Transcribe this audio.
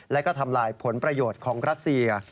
และก็ทำลายผลประโยชน์ของรัสเซีย